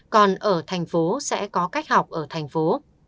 còn ở thành phố sẽ có cách học ở thành phố